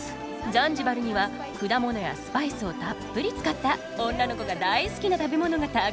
ザンジバルには果物やスパイスをたっぷり使った女の子が大好きな食べ物がたくさん。